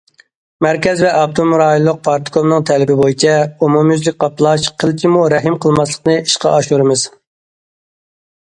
مەركەز ۋە ئاپتونوم رايونلۇق پارتكومنىڭ تەلىپى بويىچە، ئومۇميۈزلۈك قاپلاش، قىلچىمۇ رەھىم قىلماسلىقنى ئىشقا ئاشۇرىمىز.